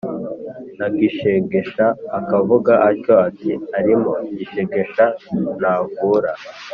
na Gishegesha akavuga atyo, ati: “Arimo Gishegesha ntavura”.